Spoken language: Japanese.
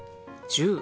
１０。